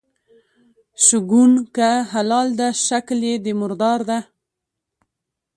شکوڼ که حلال ده شکل یي د مردار ده.